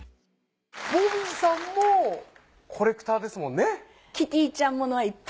紅葉さんもコレクターですもんね？